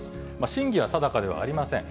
真偽は定かではありません。